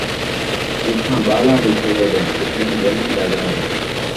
جتھاں ٻالاں دی کھیݙ، اُتھائیں ݙیݨ دا گھر